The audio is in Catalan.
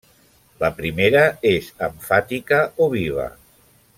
La primera és emfàtica, o viva.